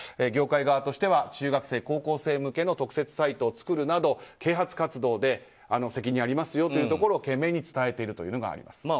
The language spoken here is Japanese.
業界側としては中学生、高校生向けに特設サイトを作るなど啓発活動で責任ありますよということを伝えているということがあります。